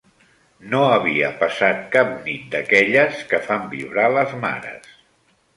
No havia passat cap nit d'aquelles que fan vibrar les mares